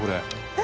え！